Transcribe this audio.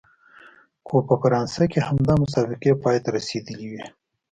خو په فرانسه کې همدا مسابقې پای ته رسېدلې وې.